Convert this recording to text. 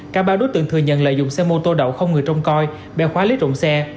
cả ba đối tượng thừa nhận lợi dụng xe mô tô đậu không người trông coi bèo khóa lấy trộn xe